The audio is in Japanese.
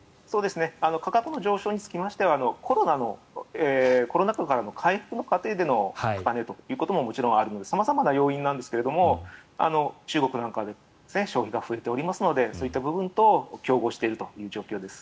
価格の上昇につきましてはコロナ禍からの回復の過程での高値ということもあるので様々な要因があるんですが中国なんかも消費が増えておりますのでそういった部分と競合しているという状況です。